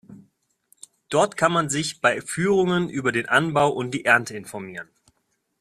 Dort kann man sich bei Führungen über den Anbau und die Ernte informieren.